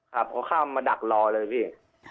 ครับเขาข้ามมาดักรอเลยพี่